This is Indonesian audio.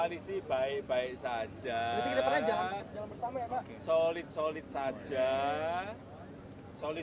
beliau ini kan sahabat baik